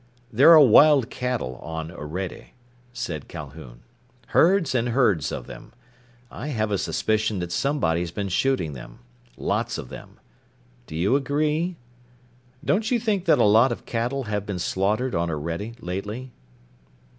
"There are wild cattle on Orede," said Calhoun. "Herds and herds of them. I have a suspicion that somebody's been shooting them. Lots of them. Do you agree? Don't you think that a lot of cattle have been slaughtered on Orede lately?"